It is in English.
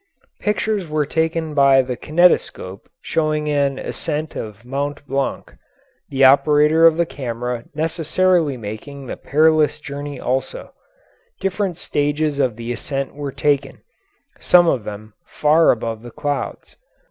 Pictures were taken by the kinetoscope showing an ascent of Mount Blanc, the operator of the camera necessarily making the perilous journey also; different stages of the ascent were taken, some of them far above the clouds.